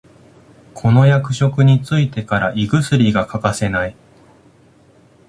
この役職についてから胃薬が欠かせない